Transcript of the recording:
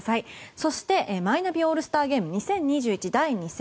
そしてマイナビオールスターゲーム２０２１、第２戦。